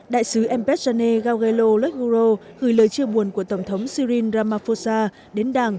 đại sứ m p g l g gửi lời chia buồn của tổng thống sirin ramaphosa đến đảng